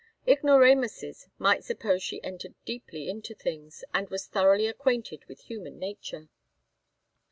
Ignoramuses might suppose she entered deeply into things, and was thoroughly acquainted with human nature.